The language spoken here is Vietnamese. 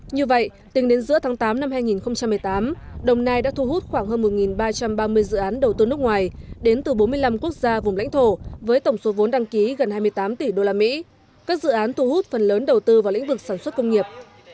như vậy tính đến giữa tháng tám năm hai nghìn một mươi tám đồng nai đã thu hút khoảng hơn một ba trăm ba mươi dự án đầu tư nước ngoài đến từ bốn mươi năm quốc gia vùng lãnh thổ với tổng số vốn đăng ký gần hai mươi tám tỷ usd các dự án thu hút phần lớn đầu tư vào lĩnh vực sản xuất công nghiệp